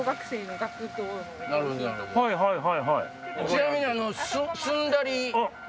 ちなみに。